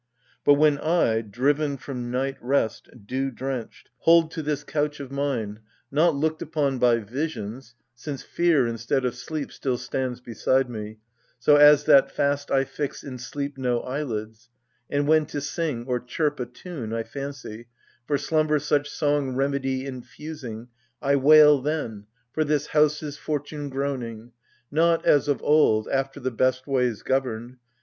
But when I, driven from night rest, dew drenched, hold to B 2 4 AGAMEMNON. This couch of mme — not looked upon by visions, Since fear instead of sleep still stands beside me, So as that fast I fix in sleep no eyelids — And when to sing or chirp a tune I fancy, For slumber such song remedy infusing, I wail then, for this House's fortune groaning, Not, as of old, after the best ways governed.